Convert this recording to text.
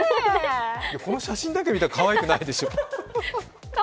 この写真だけ見たらかわいくないでしょう。